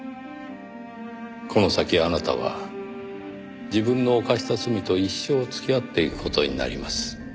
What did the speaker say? この先あなたは自分の犯した罪と一生付き合っていく事になります。